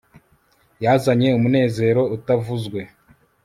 yazanye umunezero utavuzwe